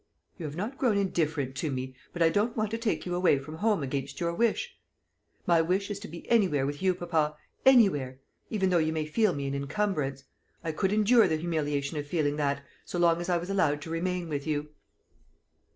"You have not grown indifferent to me; but I don't want to take you away from home against your wish." "My wish is to be anywhere with you, papa; anywhere even though you may feel me an incumbrance. I could endure the humiliation of feeling that, so long as I was allowed to remain with you."